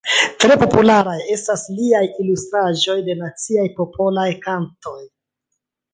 Tre popularaj estas liaj ilustraĵoj de naciaj popolaj kantoj.